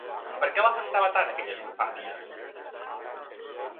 Per què l'afectava tant aquelles infàmies?